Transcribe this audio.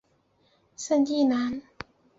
圣基兰。